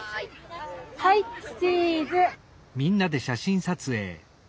はいチーズ。